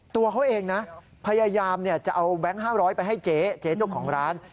ตัวเขาเองนะพยายามจะเอาแบงค์๕๐๐ไปให้เจ๊เจ๊เจ้าของร้าน